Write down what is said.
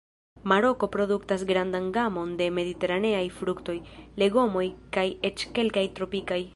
Maroko produktas grandan gamon de mediteraneaj fruktoj, legomoj kaj eĉ kelkaj tropikaj.